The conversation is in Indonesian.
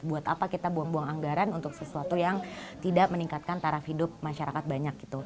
buat apa kita buang buang anggaran untuk sesuatu yang tidak meningkatkan taraf hidup masyarakat banyak gitu